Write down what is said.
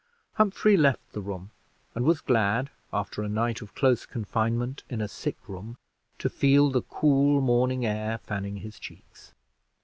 Humphrey left the room, and was glad, after a night of close confinement in a sick room, to feel the cool morning air fanning his cheeks.